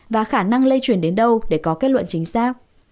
và khả năng lây chuyển đến đâu để có kết luận chính xác